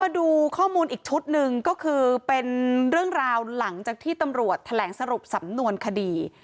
มาดูข้อมูลอีกชุดหนึ่งก็คือเป็นเรื่องราวหลังจากที่ตำรวจแถลงสรุปสำนวนคดี